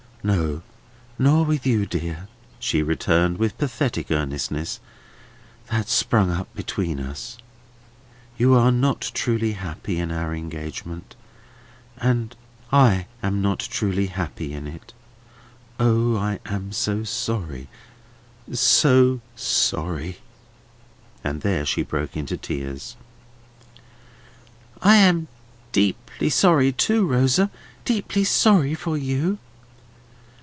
"No, nor with you, dear," she returned, with pathetic earnestness. "That sprung up between us. You are not truly happy in our engagement; I am not truly happy in it. O, I am so sorry, so sorry!" And there she broke into tears. "I am deeply sorry too, Rosa. Deeply sorry for you."